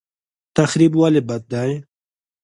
تخریب ولې بد دی؟